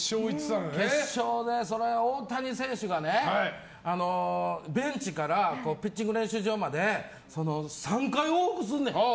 決勝で大谷選手がベンチからピッチング練習場まで３回往復すんねん。